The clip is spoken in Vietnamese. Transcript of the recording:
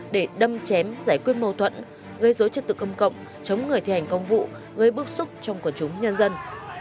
để đâm chém giải quyết mâu thuẫn gây dối trật tự công cộng chống người thi hành công vụ gây bức xúc trong quần chúng nhân dân